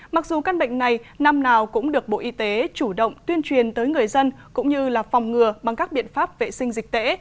mặc dù căn bệnh này năm nào cũng được bộ y tế chủ động tuyên truyền tới người dân cũng như là phòng ngừa bằng các biện pháp vệ sinh dịch tễ